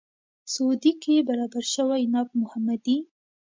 سعودي کې برابر شوی ناب محمدي.